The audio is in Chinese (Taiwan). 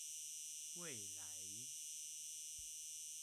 未來